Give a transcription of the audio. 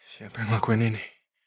siapa yang melakukan ini